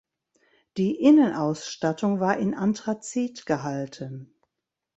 Die Innenausstattung war in anthrazit gehalten.